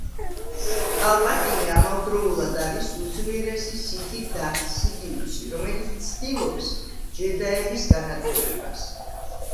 პალპატინი ამავდროულად არის უძლიერესი სითი დართ სიდიუსი, რომელიც ცდილობს ჯედაების განადგურებას.